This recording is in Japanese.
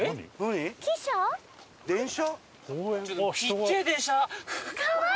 電車？